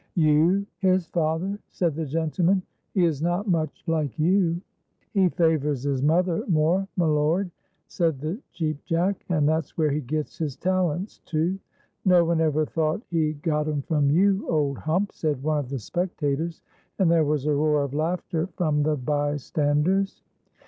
"You his father?" said the gentleman. "He is not much like you." "He favours his mother more, my lord," said the Cheap Jack; "and that's where he gets his talents too." "No one ever thought he got 'em from you, old hump!" said one of the spectators, and there was a roar of laughter from the bystanders.